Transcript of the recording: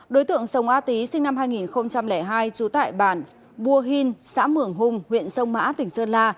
đối tượng sông a tý sinh năm hai nghìn hai chú tại bản bùa hìn xã mưởng hùng huyện sông mã tỉnh sơn la